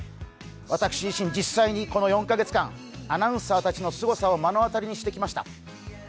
私自身、実際にこの４カ月間、アナウンサーたちのすごさを目の当たりにしてきました。